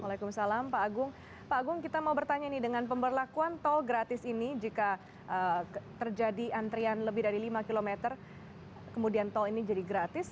waalaikumsalam pak agung pak agung kita mau bertanya nih dengan pemberlakuan tol gratis ini jika terjadi antrian lebih dari lima km kemudian tol ini jadi gratis